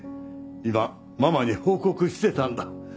今ママに報告してたんだ。